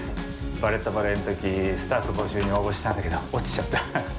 「バレット・バレエ」の時スタッフ募集に応募したんだけど落ちちゃった。